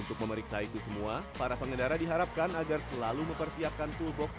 untuk memeriksa itu semua para pengendara diharapkan agar selalu mempersiapkan toolbox di ruang bakar